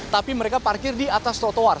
tapi mereka parkir di atas trotoar